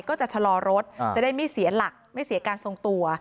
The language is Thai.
ก็จะชะลอรถจะได้ไม่เสียหลักไม่เสียการทรงตัว